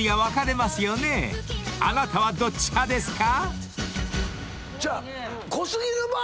［あなたはどっち派ですか？］